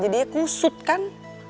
jadinya kusut kan